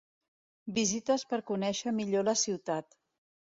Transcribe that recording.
Visites per conèixer millor la ciutat.